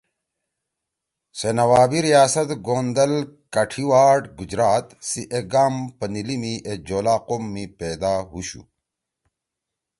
سے نوابی ریاست گوندل ”کاٹھیاواڑ گجرات“ سی اے گام پَنیِلی می اے جولا قوم می پیدا ہُوشُو